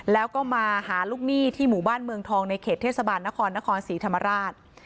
แล้วก็มาหาลูกหนี้ที่หมู่บ้านเมืองทองในเขตเทศบาลนครนครศรีธรรมราช